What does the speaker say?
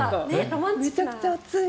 めちゃくちゃ熱い。